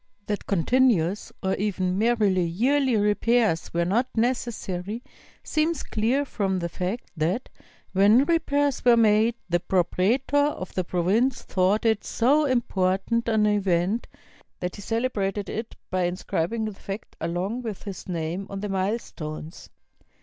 That continuous or even merely yearly repairs were not necessary seems clear from the fact that, when repairs were made, the propraetor of the province thought it so important an event that he celebrated it by inscrib ing the fact along with his name on the milestones.